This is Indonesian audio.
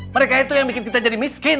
mereka itu yang bikin kita jadi miskin